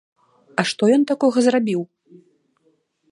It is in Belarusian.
А што ён такога зрабіў?